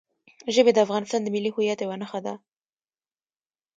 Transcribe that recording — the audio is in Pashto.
ژبې د افغانستان د ملي هویت یوه نښه ده.